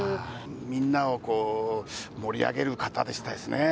みんなを盛り上げる方でしたね。